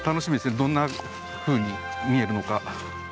どんなふうに見えるのか。